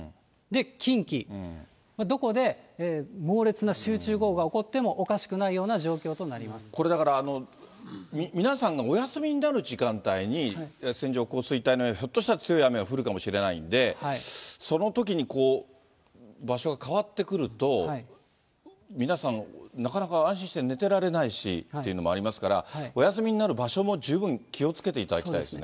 近畿、どこで猛烈な集中豪雨が起こってもおかしくないような状況となりこれ、だから皆さんがお休みになる時間帯に、線状降水帯の、ひょっとしたら、強い雨が降るかもしれないんで、そのときに場所が変わってくると、皆さん、なかなか安心して寝てられないしというのもありますから、お休みになる場所も十分気をつけていただきたいですね。